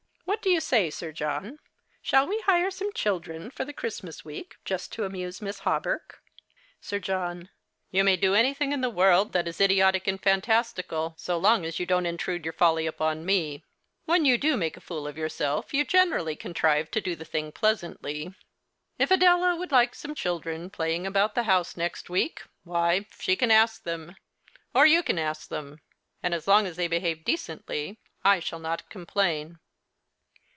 What do you say, Sir John ? Shall we hire some children for the C'hristmas week, just to amuse Miss Hawberk ? Sir John. You may do anything in the world that The Christmas Hirelings. 29 is idiotic and fantastical, so long as you don't intrude your folly upon me. When you do make a fool of your self you generally contrive to do the thing pleasantly. If Adela would like some children playing about the house next week, why, she can ask them, or you can ask them ; and as long as they behave decently I shall not complain.